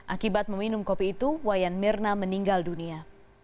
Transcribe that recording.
akibat meminum kopi itu wayan mirna meninggal dunia